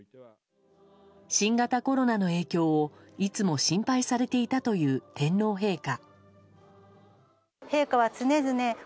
新型コロナの影響をいつも心配されていたという天皇陛下。